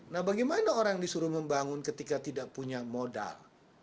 nah bagaimana orang disuruh membangun ketika tidak punya modal